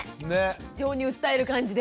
情に訴える感じで。